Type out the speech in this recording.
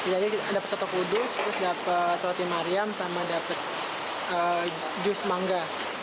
jadi kita dapat soto kudus terus dapat soto timariam sama dapat jus mangga